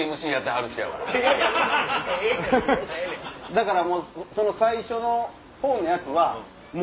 だから最初のほうのやつは。